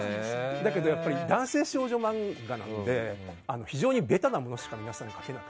だけど、男性少女漫画なので非常にベタなものしかありませんでした。